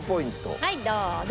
はいどうぞ。